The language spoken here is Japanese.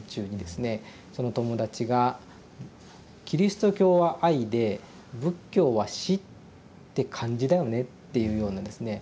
その友達が「キリスト教は愛で仏教は死って感じだよね」っていうようなですね